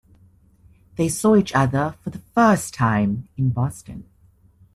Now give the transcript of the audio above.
They saw each other for the first time in Boston.